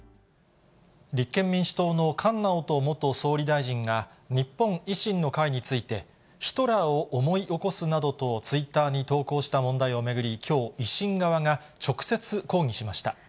立憲民主党の菅直人元総理大臣が、日本維新の会について、ヒトラーを思い起こすなどとツイッターに投稿した問題を巡り、きょう、維新側が直接抗議しました。